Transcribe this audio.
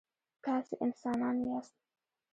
تاسي انسانان یاست.